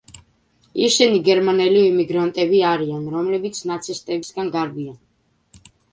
ისინი გერმანელი ემიგრანტები არიან, რომლებიც ნაცისტებისგან გარბიან.